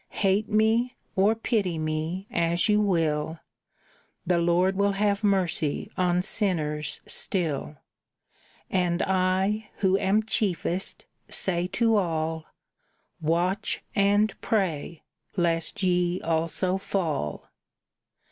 Hate me or pity me, as you will, The Lord will have mercy on sinners still; And I, who am chiefest, say to all, Watch and pray, lest ye also fall."